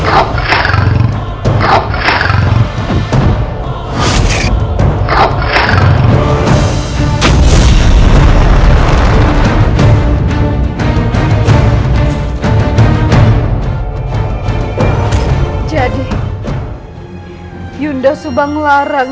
ayo kita pergi dari sini